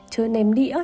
chơi ném đĩa